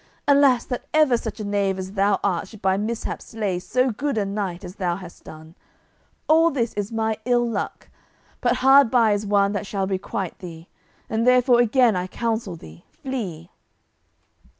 Alas that ever such a knave as thou art should by mishap slay so good a knight as thou hast done. All this is my ill luck, but hard by is one that shall requite thee, and therefore again I counsel thee, flee."